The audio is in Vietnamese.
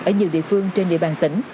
ở nhiều địa phương trên địa bàn tỉnh